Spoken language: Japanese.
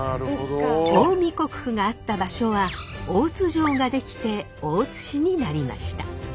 近江国府があった場所は大津城ができて大津市になりました。